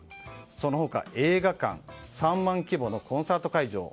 その他、映画館３万人規模のコンサート会場